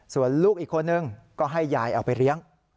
ส่วนลูกอีกคนนึงก็ให้ยายเอาไปเลี้ยง